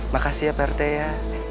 makasih ya pak rt ya